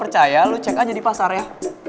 percaya lu cek aja di pasar ya